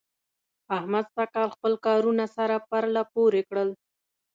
احمد سږکال خپل کارونه سره پرله پورې کړل.